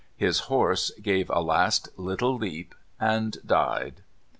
His horse gave a last little leap and died.